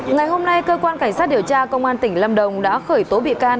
ngày hôm nay cơ quan cảnh sát điều tra công an tỉnh lâm đồng đã khởi tố bị can